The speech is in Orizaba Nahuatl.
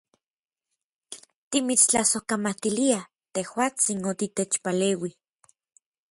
Timitstlasojkamatiliaj, tejuatsin, otitechpaleui.